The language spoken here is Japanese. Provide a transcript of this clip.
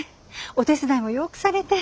お手伝いもよくされて。